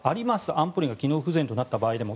安保理が機能不全となった場合でも。